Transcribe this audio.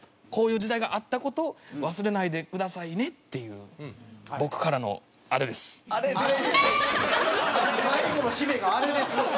こういう時代があった事を忘れないでくださいねっていう僕からのあれです。